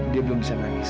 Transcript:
dia belum bisa nangis